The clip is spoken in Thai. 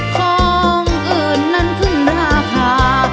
ของอื่นนั้นขึ้นราคา